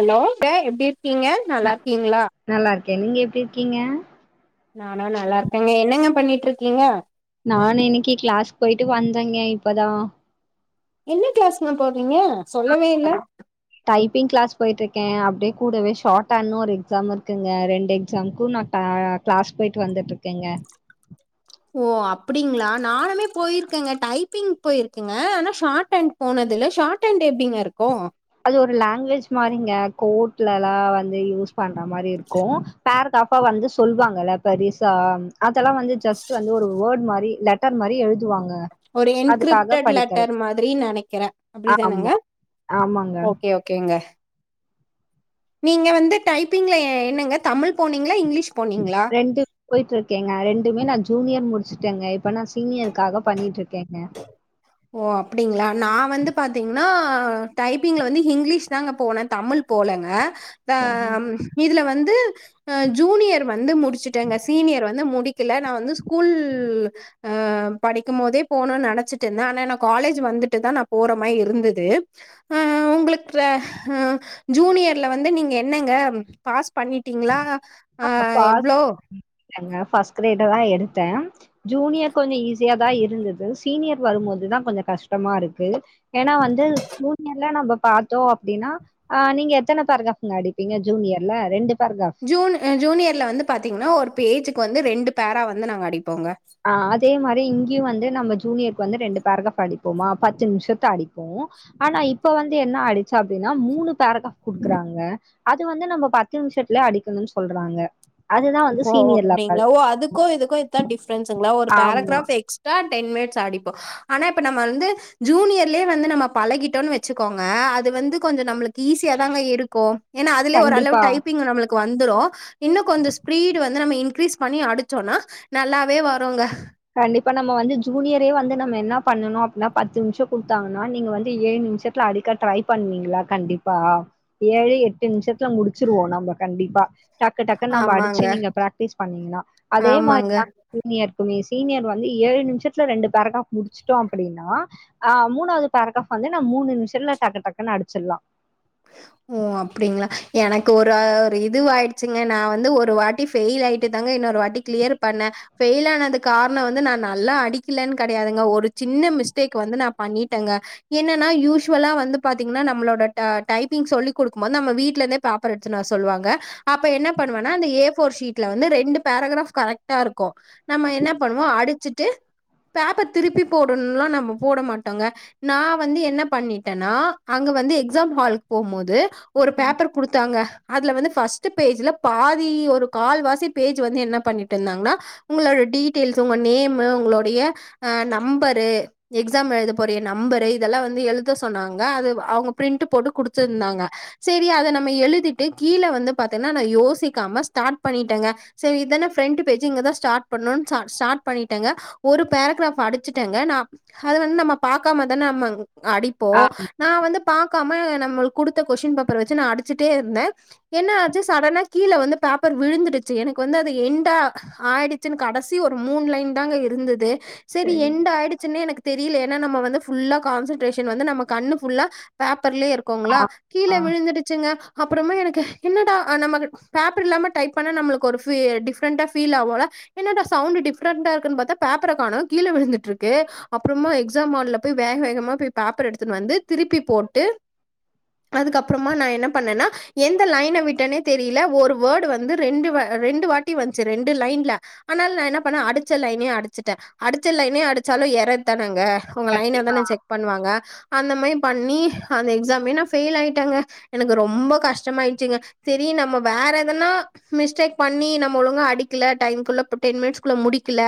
Allow தே எப்டி கீங்க நல்லா இருக்கீங்ளா க நீங்க எப்டி இருக்கீங்க நானா நல்லா இருக்கேங் என்னங்க பண்ணிட்டு இருக்கீங்க நானு இன்னிக்கு க்ளாஸ் போய்ட்டு வந்தேங்க இப்பதா என்ன க்ளாஸ்ன போர் ஆ அ டைப்பிங் க்ளாஸ் போய்ட்டு இருக்கே அப்டே கூடவே ஷார்ட்டன் ஒரு எக்ஸாம் இருக்குங்க ரெண்டு எக்ஸாமுக்கு பே நா க்ளாஸ் போய்ட்டு வந்துட்டுருக்கெங்க ஓ அப்டிங்ளா நானுமே போய்ருக்கங்க டைப்பிங் போய்ருக்கங்க ஆனா ஷார்ட் அண்ட் போனதுல்ல ஷார்ட் அண்ட் எப்டிங்க இருக்கு அது ஒரு லாங்வேஜ் மாரிங்க கோட்லலா வந்து யூஸ் பண்ற மாரி இருக்கு பேர க்ராபா வந்து சொல்லுவாங்கல்ல பெரிசா லா வந்து ஜஸ்ட் வந்து ஒரு வேர்ட் மாதி தி லெட்டர் மாரி எழு ஒரு என்கிரிப்டட் லெட்டர் மாதிரி நினக்கிறே அப்டிதானுங்க ஆமா ஆமாங்க ங்க நீங்க வந்து டைப்பிங்ல என்னங்க தமிழ் போனீங்களா இங்கிலீஷ் போனீங்களா ரெண்டு ப் போயிட்டு இருக்கேங்க ரெண்டுமே நா ஜூனியர் முடிச் ட்டங்க இப்ப நா சீனியருக்காக பண்ணிட்டு இருக்கேங்க ஓ அ டைப்பிங்கில வந்து இங்கிலீஷ் தாங்க போனே தமிழ் போலங்க த சரி. இதுல வந் ஜூனியர் வந்து முடிச்சுட்டேங்க சீனியர் வந்து முடி த்துல நா வந்து ஸ்கூல் அ படிக்குமோதே போனு நெனச் தென்ன நா காலேஜ் வந்துட்டுதா நா போற மாரி இருந்துது உங்ளுக்ல ஜூனியர்ல வந்து நீங்க என்னங்க பாஸ்ட் பண்ணிட்டீங்களா அ எவ்ளோ பஸ்ட் கிரேடு தா எடுத்தே ஜூனியர் கொஞ்சம் ஈஸியா தான் இருந்தது சீனியர் வரும்போதுதா கொஞ்ச கஷ்டமா இருக்கு ஏன்னா வந்து ஜூனியர்ல நம்ம பாத்தோ அப்டின்னா அ நீங்க எத்தன பேரக்ராப்ங்க அடிப்பீங்க ஜூனியர்ல ரெண்டு ஜூன் ஜூனியர்ல வந்து பாத்தீங்கன்னா ஒரு பேஜ் ப்பொ வந்து ரெண்டு பேரா வந்து நாங்க அடிப் அ அதே மாரி இங்கயு வந்து நம்ம ஜூனியருக்கு வந்து ரெண்டு பேரக்ராப் அடிப்போமா பத்து நிமிஷத்துல அடிப்போ ஆனா இப்ப வந்து என்ன ஆயிடுச்ச அப்டின்னா மூணு பேரக்ராப் குடுக்குறாங்க அது வந்து நம்ப பத்து நிம்ஷத்தல அடிக்குனு சொல்றாங்க அதுதான் வந்து ஓ ஓ சீனியர் லெவல். அப்டிங்களா ஓ அதுக்கோ இதுக்கோ இதா டிஃப் ஃப்ரெண்ட்ஸ்ங்ளா ஒரு ஆமா. பேரகிராப் எக்ஸ்ட்ரா டென் மினிட்ஸ் அடிப்போம் ஆனா இப்ப நம வந்து ஜூனியர்லயே வந்து நம்ம பழகிட்டோம்னு வச்சுக்கோங்க அது வந்து கொஞ்சம் நம்மளுக்கு ஈஸியா தாங்க இருக்கும் ஏனா அதுலே ஒரு அளவு கண்டிப்பா. டைப்பி்ங் நம்மளு வந்துரும் இன்னும் கொஞ்ச வந்து நம்ம இன்கிரீஸ் பண்ணி அடிச்சோம்னா நல்லாவே வரும்ங்க கண்டிப்பா நம்ம வந்து ஜூனியரே வந்து நம்ம என்ன பண்ணணும் அப்புனா பத்து நிமிஷ குடுத்தாங்கனா நீங்க வந்து ஏழு நிமஷத்தல அடிக்க ட்ரை பண்ணுவீங்ளா கண்டிப்பா ஏழு எட்டு நிம்ஷத்துல முடிச்சிருவோம் நம்ப கண்டிப்பா டக்கு டக்கு நம்ப அடிச்சு ஆமாங்க நீங்க பிராக்டிஸ் பண்ணீங்கன்னா அதே மாரி ஆமாங்க தா சீனியர் [unintelligible] சீனியர் வந்து ஏழு நிமிஷத்துல ரெண்டு பேரகிராப் முடிச்சுட்டோம் அப்டின்னா அஹ் மூணாவது பேரகிராப் வந்து நான் மூணு நிமிஷத்ல டக்கு டக்கு அடிச்சிலா ஓ அப்டிங்களா எனக்கு ஒரு-ஒரு இது ஆயிடுச்சுங்க நா வந்து ஒரு வாட்டி பெயில் ஆயிட்டு தாங்க இன்னொரு வாட்டி கிளியர் பண்ணேன் பெயில் ஆனது காரணம் வந்து நா நல்லா அடிக்கலன்னு கெடையாதுங்க ஒரு சின்ன மிஸ்டேக் வந்து நா பண்ணிட்டேங்க என்னன்னா யூஸ்வலா வந்து பாத்தீங்கன்னா நம்மளோட டைப்பிங் சொல்லிகுடுக்கம் போது நம்ப வீட்லந்தே பேப்பர் எத்துனு வர சொல்வாங்க அப்ப என்ன பண்ணுவனா அந்த ஏ ஃப்போர் சீட்ல வந்து ரெண்டு பேரோகரப் இருக்கும் நம்ப என்ன பண்வோம் அடிச்சுட்டு பேப்பர்திருப்பிப்போடுனா நம்ப போடமாட்டோங்க நா வந்து என்ன பண்ணிட்டனா அங்க வந்து எக்சாம் ஹால்ல போம் போது ஒரு பேப்பர் குடுத்தாங்க அதுல வந்து பர்ஸ்ட் பர்ஸ்ட் பேஜ்ல பாதி ஒரு கால்வாசி் பேஜு வந்து என்ன பண்ணிட்டுந்தாங்கனா உங்களுடைய டீட்டைலஸ் உங்க நேமு உங்களோடைய நம்பரு எக்ஸாம் எழுத குரிய நம்பரு இதல்லா வந்து எழுத சொன்னாங்க அத அவுங்க பிரின்ட் போட்டு குடுத் வச்சுருந்தாங்க சேரி அத நம்ம எழுதிட்டு கீழ வந்து பாத்தீங்கன்னா நா யோசிக்காம ஸ்டார்ட் பண்ணிடேங்க செரி இதானே பிஃரண்ட் பேஜ்ங்கதா ஸ்டார்ட் பண்ணு ஸ்டார்ட் பண்ணிட்டேங்க ஒரு பேரகிராப் படிச்சுட்டேங்க நா ஹத வந்து நம்ப பாக்காமதான நம்ப ஆ அடிப்போம் நா வந்து பாக்காம நம்மளு குடுத்த கொஷ்டீன் பேப்பர் வச்சு நான் அடிச்சுட்டே இருந்தேன் என்ன ஆச்சு சடனா கீழ வந்து பேப்பர் விழுந்துடுச்சு எனக்கு வந்து அது எண்டா ஆயிடுச்சுன்னு கடைசி ஒரு மூணு லைன் தாங்க இருந்தது செரி சரி எண்ட் ஆயிடுச்சுன்னே எனக்கு தெரியல ஏனா நம்ப வந்து ஃபுல்லா கான்சன்ட்ரேஷன் வந்து நம கண்ணு ஃபுல்லா பேப்ர்லயே ஆ இருக்கோங்களா கீழ ஆ விழுந்துடுச்சுங்க அப்பறமா எனக்கு என்னடா நமக்கு பேப்பர் இல்லாம டைப் பண்ண நம்மளுக்கு ஒரு டிப்பரண்டா பீல் ஆகும்ல்ல என்னடா சவுண்டு டிப்ரண்டா இருக்குன்னுா பேப்பர காணம் கீழே விழுந்துட்டு இருக்கு அப்பறமா எக்ஸாம் ஹால்ல போய் வேக வேகமா போய் பேப்பர் எடுத்துட்டு வந்து திருப்பி போட்டு அதுக்கப்பறமா நா என்ன பண்ணேனா எந்த லைன விட்டனே தெரியல ஒரு வேர்டு வந்து ரெண்டு-ரெண்டு வாட்டி வந்துச்சு ரெண்டு லைன்ல ஆனால நான் என்ன பண்ணேன் அடிச்ச லைனே அடிச்சுடேன் அடிச்ச லைனே அ ச்சலும் எரர் தானேங்க உங்க லைன கண்டிப்பா தானே செக் பண்ணுவாங்க அந்த மாரி பண்ணி அந்த எக்ஸாமே நா பெயில் ஆயிட்டாங்க எனக்கு ரொம்ப கஷ்டமாயிடுச்சுங்க செரி நம்ம வேற எதனா மிஸ்டேக் பண்ணி நம்ம ஒழுங்காக அடிக்கல டைம்குல்ல டெ டென் மினிட்ஸ்க்குள்ள முடிக்கல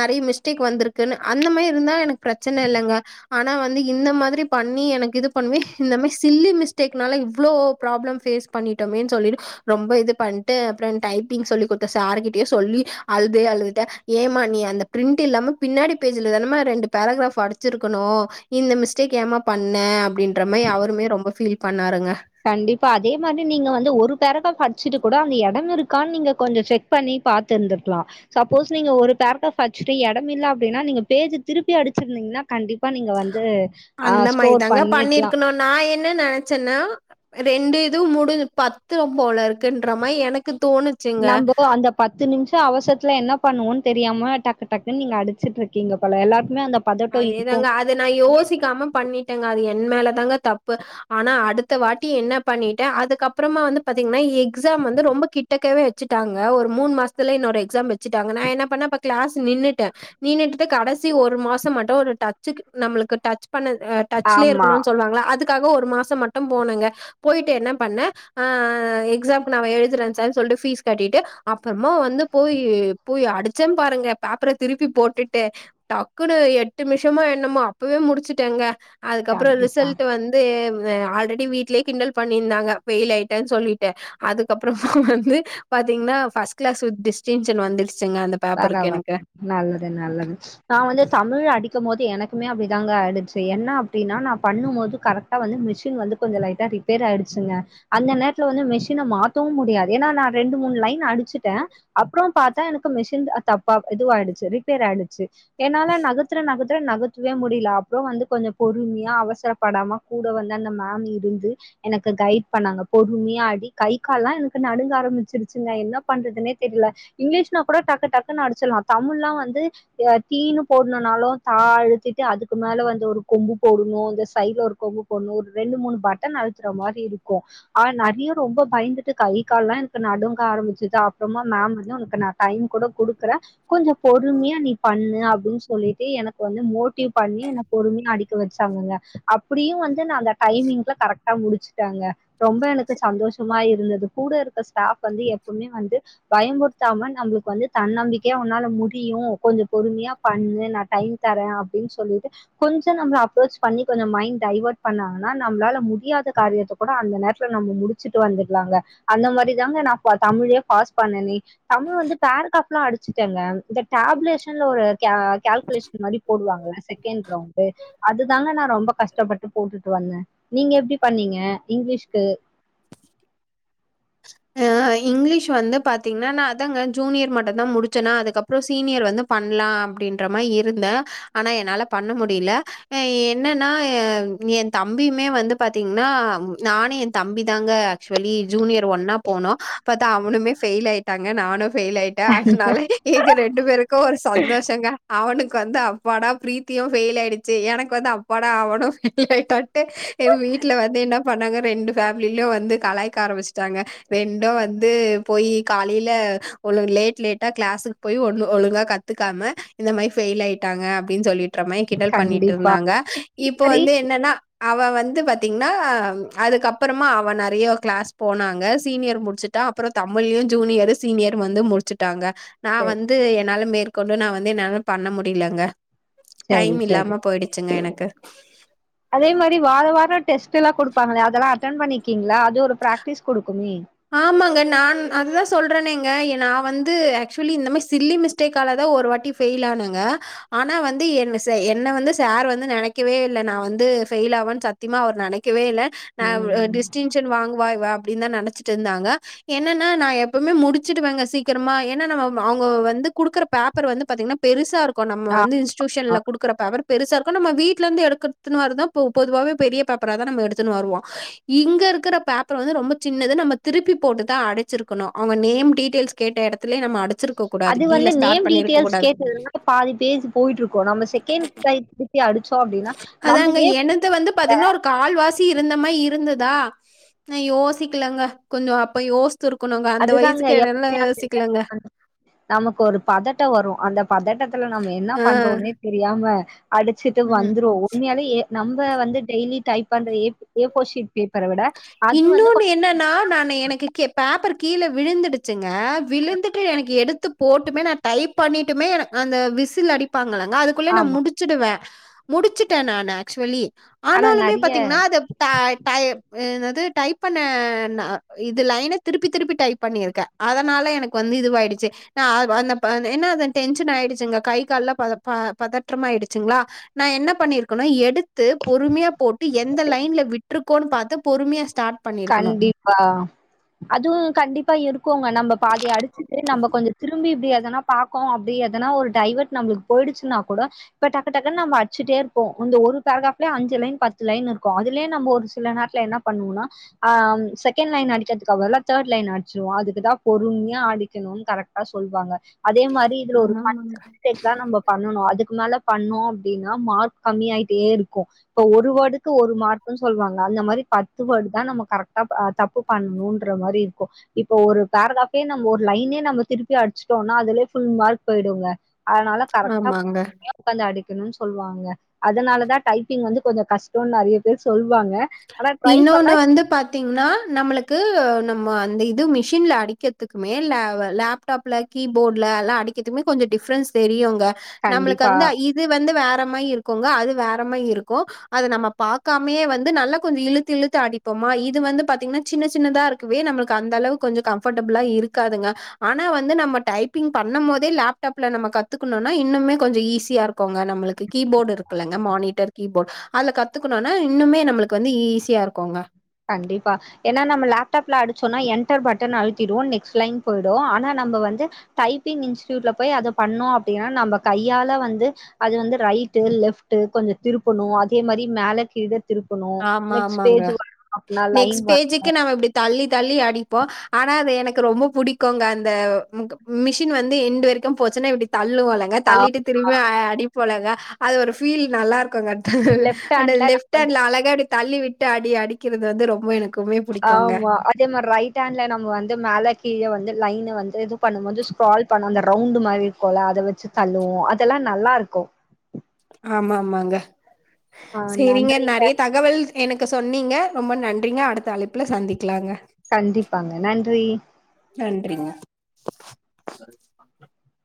நறைய மிஸ்டேக் வந்திருக்குன்னு அந்த மாதிரி இருந்தா எனக்கு பிரச்சனை இல்லங்க ஆனா வந்து இந்த மாதிரி பண்ணி எனக்கு இது பண்ணுவ இந்த மி சில்லி மிஸ்டேக்னால இவ்ளோ ப்ராப்ளம் பேஸ் பண்ணிட்டோமேனு சொல்லிட்டு ரொம்ப இது பண்ட்டு அப்பற டைப்பிங் சொல்லி கொத்த சார்கிட்டயே சொல்லி அழுதே அழுதுட்ட ஏமா நீ அந்த பிரிண்ட் இல்லாம பின்னாடி பேஜ்ல தானம ரெண்டு பேராகிராப் அடிச்சிருக்கணும் இந்த மிஸ்டேக் ஏமா பண்ண அப்டின்ற மாரி அவருமே ரொம்ப பீல் பண்ணாருங்க கண்டிப்பா முடிச்சிட்டு கூட அந்த இடம் இருக்கான்னு நீங்க கொஞ்ச செக் பண்ணி பாத்துருந்துக்கலாம் சப்போஸ் நீங்க ஒரு ஒரு பேரக்கிராப் அடிச்சுட்டு இடம் இல்ல அப்டின்னா நீங்க பேஜ திருப்பி அடிச்சிருந்தீங்கன்னா கண்டிப்பா நீங்க வந்து ஆஹ் ஸ்கோர் பண்ணிருக்கலாம் நினச்சேன்னா ரெண்டு இது முடி பத்து போல இருக்குன்ற மாதிரி எனக்கு தோணுச்சுங்க. நம்போ அந்த பத்து நிமிஷம் அவசரத்துல என்ன பண்ணுவோன்னு தெரியாம டக்குன்னு நீங்க அடிச்சட்டு இருக்கீங்க போல எல்லாருக்குமே அந்த பதட்டோ இருக்கு அதேதாங்க அதை நான் யோசிக்காம பண்ணிட்டேங்க அது என் மேல தாங்க தப்பு ஆனா அடுத்த வாட்டி என்ன பண்ணிட்டேன் அதுக்கப்பறமா வந்து பாத்திங்கன்னா எக்ஸாம் வந்து ரொம்ப கிட்டக்கவே வெச்சுட்டாங்க ஒரு மூணு மாசத்துலே இன்னொரு எக்ஸாம் வெச்சுட்டாங்க நான் என்ன பண்ணுனேன் கிளாஸ் நின்னுட்டேன் நின்னுட்டு கடைசி ஒரு மாசம் மட்டும் ஒரு டச்சு நம்மளுக்கு டச் பண்ண டச்லே ஆமா இருக்கணும்னு சொல்வாங்க அதுக்கு காக ஒரு மாசம் மட்டும் போனேங்க போயிட்டு என்ன பண்னேன் ஆ எக்ஸாம் நான் எழுதுறேன் சார் சொல்லிட்டு பீஸ் கட்டிட்டு அப்புறமா அடிச்ச பாருங்கப்ப பேப்பர திருப்பி போட்டுட்டு எட்டு நிமிஷமோ என்னமோ அப்பவே முடிச்சுட்டேங்க அதுக்கப்புறம் கண்டிப்பா ரிசல்ட் வந்து ஆல்ரெடி வீட்லயே கிண்டல் பண்ணிருந்தாங்க பெயில் லாய்ட்டசொல்லிட்டு அதுக்கப்புறம் வந்து பாத்தீங்கன்னா பர்ஸ்ட் கிளாஸ் வித் டிஸ்டிங்ஷன் வந்துடுச்சு வரவரைக்கும் நல்லது நல்லது நான் வந்து தமிழ்ல அடி போது எனக்குமே அப்படிதாங்க ஆய்டுச்சு என்ன அப்டின்னா நான் பண்ணும்போது மிஷின் கொஞ்சம் லைட்டா ரிப்பேர் ஆயிடுச்சுங்க அந்த நேரத்துல வந்து மெஷினை மாத்தவும் முடியாது ஏன்னா நான் ரெண்டு மூணு லைன் அடிச்சிட்டேன் அப்புறம் பார்த்தா மிஷன் தப் துஆய்டுச்சு ரிப்பேர் ஆயிடுச்சு ஏனால நகத்துற நத்துற நகத்துவே முடியல அப்புறம் வந்து கொஞ்சம் பொறுமையா அவசரப்படாம கூட வந்து அந்த மேம் இருந்து எனக்கு கைட் பண்ணாங்க பொறுமையா ஆடி கை கால்லாம் எனக்கு நடுங்க ஆரம்பிச்சிருச்சுங்க என்ன பண்றதுே தெரியல இ் டக்கு டக்குனு அடிச்சலாம் தமிழ்ல்லாம் வந்து தீனு போடணும்னாலும் தா அழுத்திட்டு அதுக்கு மேல வந்து ஒரு கொம்பு போடணும் இந்த சைடல ஒரு கொம்பு போடணும் ஒரு ரெண்டு மூணு பட்டன் அழுத்துற மாதிரி இருக்கும் ஆஹ் நெறைய ரொம்ப பயந்துட்டு கை கால்லாம் எனக்கு நடுங்க ஆரம்பிச்சது அப்புறமா மேம் வந்து உனக்கு டைம் கூட கொடுக்குறேன் கொஞ்சம் பொறுமையா நீ பண்ணு அப்படின்னு சொல்லிட்டு எனக்கு வந்து மோட்டிவ் பண்ணி என்ன பொறுமையா அடிக்க வச்சாங்கங்க அப்படியும் வந்து நான் அந்த டைமிங்ல கரெக்டா முடிச்சுட்டாங்க ரொம்ப எனக்கு சந்தோஷமா இருந்தது கூட இருக்க ஸ்டாப் வந்து எப்பவுமே வந்து பயம்புருத்தாம நம்ளுக்கு வந்து தன்னம்பிக்கையா உன்னால முடியும் கொஞ்சம் பொறுமையா பண்ணு நான் டைம் தரேன் அப்படின்னு சொல்லிட்டு கொஞ்சம் நம்மளை அப்ரோச் பண்ணி கொஞ்சம் மைண்ட் டைவேர்ட் பண்ணாங்கன்னா நம்மளால முடியாத காரியத்தை கூட அந்த நேரத்துல நம்ம முடிச்சுட்டு வந்துருலாங்க அந்த மாதிரி தாங்க நான் தமிழே பாஸ் பண்ணனே தமிழ் வந்து பேராகிராப்லாம் அடிச்சட்டேங்க இந்த டஅபுலேஷன் கால்குலேசன் மாதிரி போடுவாங்கள அதுதாங்க நான் ரொம்ப கஷ்டப்பட்டு போட்டுட்டு வந்தேன் நீங்க எப்படி பண்ணீங்க இங்கிலீஷ்கு ஹ இங்கிலீஷ் வந்து பாத்தீங்கன்னா நான் அதாங்க ஜூனியர் மட்டும் தான் முடிச்சேன்னா அதுக்கப்புறம் சீனியர் வந்து பண்ணலாம் அப்படின்ற மாதிரி இருந்தேன் ஆனா என்னால பண்ண முடியல என்னன்னா என் தம்பியுமே வந்து பாத்தீங்கன்னா நானும் என் தம்பி தாங்க ஆக்சுவலி ஜூனியர் ஒன்னா போனோம் பார்த்த அவனுமே ஃபயில் ஆயிட் டாங்க நானும் பெயில் ஆயிட்டேன் அதனால எங்க ரெண்டு பேருக்கும் ஒரு சந்தோஷங்க அவனுக்கு க்கு வந்து அப்பாடா பிரீத்தியும் பெயில் ஆயிடுச்சு எனக்கு வந்து அப்பாடா அவனும் பெயில்லாயிட்டான் வீட்டுல வந்து என்னா பண்ணாங்க ரெண்டு பேஃபமிலேயும் வந்து கலாய்க ஆரம்பச்சுட்டாங்க ரெண்டும் வந்து போயி காலையில ஒ லேட் லேட்டா கிளாஸுக்கு போய் ஒன்னு ஒழுங்கா கத்துக்காம இந்த மாதிரி ஃபெயில் ஆயிட்டாங்க அப்படின்னு சொல்லிட்டு மாதிரி கிண்டல் பண்ணிட்டு கண்டிப்பா இருந்தாங்க இப்ப சரி வந்து என்னன்னா அவன் வந்து பார்த்தீங்கன்னா அதுக்கப்புறமா அவன் நெறைய கிளாஸ் போனாங்க சீனியர் முடிச்சுட்டா அப்புறம் தமிழ்லயும் ஜூனியர் சீனியர் வந்து முடிச்சுட்டாங்க நான் வந்து என்னால மேற்க கொண்டு நான் வந்து என்னால பண்ண முடியலங்க சரி டைம் சரி இல்லாம போயிடுச்சுங்க எனக்கு க டெஸ்ட்ல்லாம் கொடுப்பாங்களே அதெல்லாம் அட்டன் பண்ணிருக்கீங்களா அது இது ஒரு பிராக்டிஸ் கொடுக்குமே ஆமாங்க நான் அதுதான் சொல்கிறேனேங்க நான் வந்து ஆக்சுவலி இந்த மாதிரி சில்லி மிஸ்டேக்கால தான் ஒரு வாட்டி ஃபெயில ஆனேங்க ஆனால் வந்து என் ச என்னை வந்து சார் வந்து நினைக்கவே இல்லை நான் வந்து ஃபெயில் ஆவேன்னு சத்தியமாக அவர் நினைக்கவே இல்லை ஆ ம் டிஸ்டடிக் வாங்குவா இவ அப்படின்னு த நினச்சு டு இருந்தாங்க என்னன்னா எப்பமே முடிச்சுட்டுவேங்க சீக்கிரமா அவங்க வந்து கொடுக்குற பேப்பர் வந்து பாத்தீங்கன்னா பெருசா இருக் ப்ப நம்ம ஆ வந்து ஆ இன்ஸ்டியூஷன்ல கொடுக்குற பேவர் பெருசா இருக்கும் நம்ம வீட்டு இருந்து எடுக்க த்துனு பொ பொதுவாவே பெரிய பேப்பராதா ந எடுத்துனு வருவோ இங்க இருக்கிற பேப்பர் வந்து ரொம்ப சின்னது நம்ம திருப்பி போட்டு தா அடைச்சிருக்கணு அவங்க நேம் டீடெயில்ஸ் கேட்ட இடத்துலய நம்ம அடிச் அது வந்து நேம் டீட்டெயில்ஸ் கேட்டதுனால பாதி பேஜ் போயிட்டு இருக்கோ நம்ம செகண்ட் டைம் திருப்பி அடிச்சோ அப்டின்னா நம்ம ஏ தி இருந்த மாரி இருந்துதா நா யோசிக்கலங்க கொஞ்ச அப்போ யோ அதுதாங்க எப்வுமே [inaudible] நமக்கு ஒரு பதட்டம் வரும் அந்த பதட்டத் நம்ம என்ன ஆ. பண்றோனே தெரியாம் ம்ம அடிச்சிட்டு ம். வந்துரு உண்மையாலயே நம்ப வந்து டெய்லி டைப் பண்ற ஏப் ஃபோர் ஷீட் பேப்பர விட அது வந்து இன்னொன்னு கொஞ் என்னன்னா நா எனக்கு கே பேப்பரு கீழே விழுந்துடுச்சு க விலுந்துட்டு எனக்கு எடுத் து போட்டுமே நான் டைப் பண்ணிட்டுமே அந்த விசில் அடிப்பாங்க அதுக்குள்ளே நா ஆமா முடிச்சிடுவே முடிச்சுட்டே நானு ஆக்சுவலி ஆனா ஆனாலுமே நெறைய பாத்தீங்கன்னா அத பே டையப் ஏன்னத் டைப் பண்ண ந இது திருப்பி திருப்பி பண்ணிருக்க அதனால எனக்கு வந்து இதுவாயிடுச்சு அ அந்த அத ஏன்ன டென்ஷன் ஆயிடுச்சிங்க கை கால்ல ப பத பதற்றச்ச மாயிடுசுங்கள என்ன பண்ணிருடுக்கனு எடு து பொறுமையா போட்டு எந்த லைன்ல விட் ட்ருக்கோன் பாத்து பொறுமையா ஸ்டார்ட் பண்ணியிருக்கணும். கண்டிப்பா அதுவு கண்டிப்பா இருக்கு போங்க நம்ப பாதையை அடிச்சுட்டு நம்ப கொஞ்ச திரும்பியு ப்டி எதனா பாக்கொ அப்டி எதனா ஒரு டைவர்ட் நம்புளுக் போயிடுச்சுன்னா கூட இப்ப டக்கு டக்குன்னு நம்ப அடிச்சுட்டே இருப்போ இந்த ஒரு பேரக்ராப்லே அஞ்சு லைன் பத்து லைன் இருக்கு அதுலயே நம்ம ஒரு சில நாட்டுல என்ன பண்ணோவோனா ஆ செகண்ட் லைன் அடிக்கதுக்கு அவல்ல தேர்ட் லைன் அடிச்சிருவோ அதுக்குதா பொறும்யா அடிக்கணுன் கரெக்ட்டா சொல்வாங்க அதே மாரி இதுல ஒரு பத்து ஆமாமாங்க. ஆமாங்க. மிஸ்டேக் தா நம்ப பண்ணனு அதுக்கு மேல பண்ணோ அப்டின்னா மார்க் கம்மி ஆட்டே இருக்கு இப்ப ஒரு வேடுக்கு ஒரு மார்குன் சொல்வாங்க அந்த மாரி பத்துவேடுதா நமக் கரெக்டா தப்பு பண்ணணும்ன்ற மாரி இருக்கு இப்போ ஒரு பேரக்ராபே நம்ம ஒரு லைனே நம்ம திருப்பி அடிச்சுட்டோனா அதுலயே ஃபுல் மார்க் போயிடுங்க அதனால கரெக்டா [inaudible] ஆமாங்க. உக்காந்து அடி ருன் சொல்வாங்க அதனால தா டைப்பிங் வந்து கொஞ்ச கஷ்ட நிறைய பேர் சொல் வாங்க ஆனா ட்ரை பண்ணா தீங்கன்னா நம்மளுக்கு நம்ம அந்த இது மிஷின்ல அடிக்க க்குமே லல ப்டாப்ல கீபோர்டுல எல்லா அடிக்கிறதுமே கொஞ்சோ டிஃப்ரன்ஸ் தெரியுங்க. நம்மளுக்கு கண்டிப்பா வந்து இது வந்து வே ற மாரி இருக்குங்க அது வேற மாரி இருக்கு. அத நம்ம பாக்காமயே வந் து நல்லா கொஞ்ச இழுத்து இழுத்து அடிப்போமா இது வந்து பாத்தீங்னா சின்ன சின்னதா இருக்கவே நம்மளுக்கு அந்த அளவு கொஞ்ச கன்ஃபர்டபுளா இருக்காதுங்க. ஆனா வந்து நம்ம டைப்பிங் பண்ணம் போதே லாப்டாப்ல நம்ம கத்துக்கணுன்னா இன்னுமே கொஞ்ச ஈஸியா இருக்குங்க நம்மளுக்கு கீபோர்டு இருக்கல்லங்க மானிட்டர் கீபோர்டு அதுல கத்துக்கணுன்னா இன்னுமே நம்மளுக்கு வந்து ஈசியா இருக்குங்க. கண்டிப்பா. ஏன்னா நம்ம லேப்டாப்ல அடிச்சோன்னா என்டர் பட்டன் அழுத்திடுவோ நெக்ஸ்ட் லைன் போயிடு. ஆனா நம்ப வந்து டைப்பிங் இன்ஸ்டியூட்ல போய் அத பண்ணோ அப்டின்னா நம்ம கையால வந்து அது வந்து ரைட்டு லெஃப்ட்டு கொஞ்சோ திருப்பணு அதே மாரி மேல கீழ திருப்பணு ஆமா, நெக்ஸ்ட் ஆமாங்க. பேஜ் அப்டின்னா லைன் நெக்ஸ்ட் வரணும் பேஜுக்கு நாம இப்டி தள்ளி தள்ளி அடிப்போ. ஆனா அது எனக்கு ரொம்ப புடிக்குங்க அந்த முகு மிஷின் வந்து எண்டு வரைக்கும் போச்சுன்னா இப்டி தள்ளுவோ இல்லங்க தள்ளிட்டு திரும்ப அ அடிப்போ இல்லங்க அது ஒரு ஃபீல் நல்லா இருக் குங்க லெஃப்ட் அந்த ஹேண்ட்ல நம்ம லெஃப்ட் வந்து ஹேண்ட்ல அழ ப்டி தள்ளி விட்டு அடி அடிக்கிறது வந்து ரொம்ப எனக் ஆமா அதே மார ரைட் ஹேண்ட்ல நம்ம வந்து மேல கீழ வந்து லைனு வந்து இது பண்ணும்போது ஸ்க்ரால் பண்ணு அந்த ரவுண்ட் மாரி இருக்குல்ல அத வச்சு தள்ளுவோ அதெல்லா நல்லா இருக்கு ஆமா ஆமாங்க. ஆ சேரிங்க நன்றிங்க நெறைய தகவல் எனக்கு சொ ன்னீங்க ரொம்ப நன்றிங்க. அடுத்த அழைப்புல சந்திக்கலாங்க. கண்டிப்பாங்க நன்றி. நன்றிங்க.